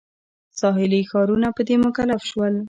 ساحلي ښارونه په دې مکلف شول.